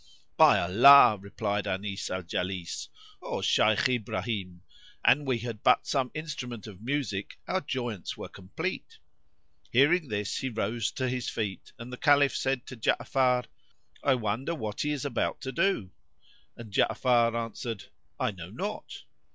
"By Allah," replied Anis al Jalis, "O Shaykh Ibrahim, an we had but some instrument of music our joyance were complete." Hearing this he rose to his feet and the Caliph said to Ja'afar, "I wonder what he is about to do!" and Ja'afar answered, "I know not."